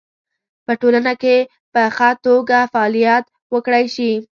په ټولنه کې په خه توګه فعالیت وکړی شي